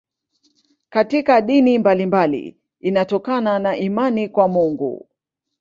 Katika dini mbalimbali inatokana na imani kwa Mungu.